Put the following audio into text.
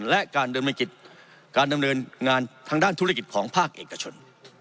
และการดำเนินงานทางด้านธุรกิจของภาคเอกชน